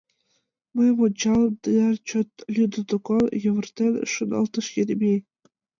«Мыйым ончалын, тынар чот лӱдӧ докан, — йывыртен шоналтыш Еремей.